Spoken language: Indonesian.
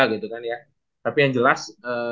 gitu kan ya tapi yang jelas